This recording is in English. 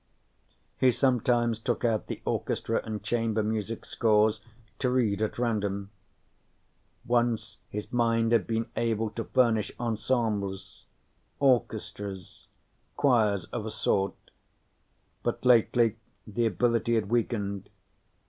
He sometimes took out the orchestra and chamber music scores, to read at random. Once his mind had been able to furnish ensembles, orchestras, choirs of a sort, but lately the ability had weakened.